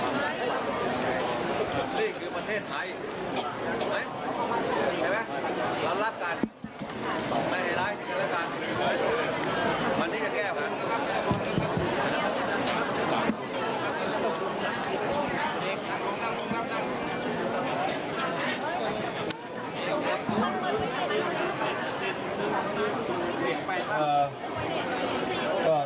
วันนี้จะแก้ว